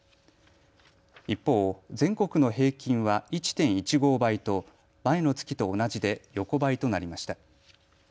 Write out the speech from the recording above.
一方、全国の平均は１．１５倍と前の月と同じで横ばいとなりました。